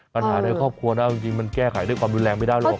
ปัญหาในครอบครัวนะจริงมันแก้ไขด้วยความดูแลงไม่ได้หรอก